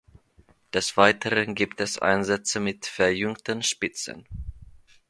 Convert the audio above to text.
Des Weiteren gibt es Einsätze mit verjüngten Spitzen.